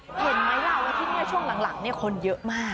เห็นไหมเราที่ช่วงหลังคนเยอะมากค่ะ